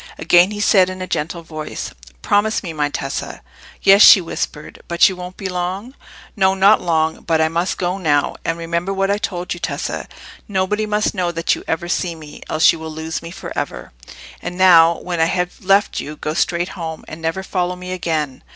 Again he said, in a gentle voice— "Promise me, my Tessa." "Yes," she whispered. "But you won't be long?" "No, not long. But I must go now. And remember what I told you, Tessa. Nobody must know that you ever see me, else you will lose me for ever. And now, when I have left you, go straight home, and never follow me again.